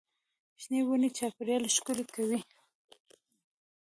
شنې ونې چاپېریال ښکلی کوي.